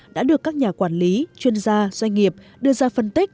đã được các nhà quản lý chuyên gia doanh nghiệp đưa ra phân tích